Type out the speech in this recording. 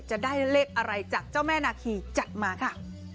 จะได้เลขอะไรจากเจ้าแม่นาคีจัดมาค่ะ